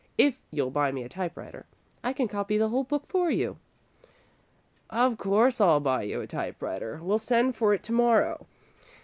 "If you'll buy me a typewriter, I can copy the whole book for you." "Of course I'll buy you a typewriter. We'll send for it to morrow.